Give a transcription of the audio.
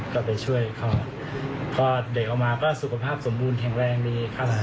ก็ไปช่วยเขาพอเด็กออกมาก็สุขภาพสมบูรณแข็งแรงดีครับ